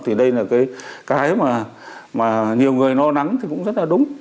thì đây là cái mà nhiều người lo nắng thì cũng rất là đúng